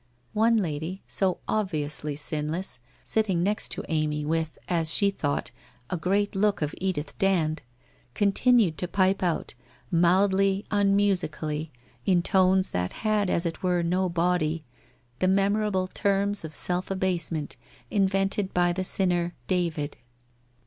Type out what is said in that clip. One lady, so obviously sinless, sitting next to Amy, with, as she thought, a great look of Edith Dand, continued to pipe out, mildly unmusically, in tones that had as it were no body, the memorable terms of self abase ment invented by the sinner David.